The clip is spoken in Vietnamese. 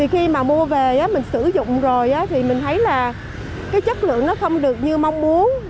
khi mà mua về mình sử dụng rồi thì mình thấy là chất lượng không được như mong muốn